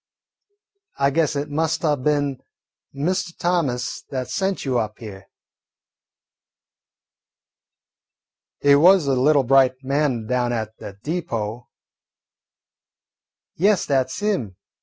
I guess it must 'a' been Mr. Thomas that sent you up here." "He was a little bright man down at de deepo." "Yes, that 's him.